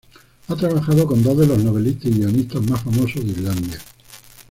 Ha trabajado con dos de los novelistas y guionistas más famosos de Islandia.